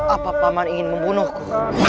apa paman ingin membunuhku